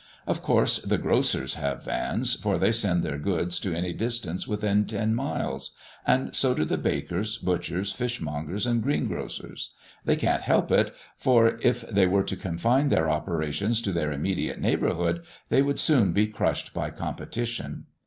Of course the grocers have vans, for they send their goods to any distance within ten miles; and so do the bakers, butchers, fishmongers, and greengrocers. They can't help it, for if they were to confine their operations to their immediate neighbourhood, they would soon be crushed by competition.